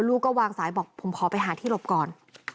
ลูกก็วางสายบอกผมขอไปหาที่หลบก่อน